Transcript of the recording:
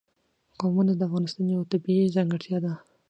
قومونه د افغانستان یوه طبیعي ځانګړتیا ده.